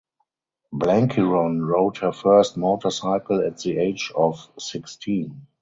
Blenkiron rode her first motorcycle at the age of sixteen.